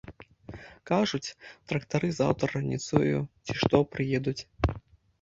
Кажуць, трактары заўтра раніцою, ці што, прыедуць.